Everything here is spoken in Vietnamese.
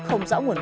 không rõ nguồn gốc